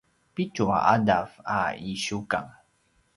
pitju a ’adav a ’isiukang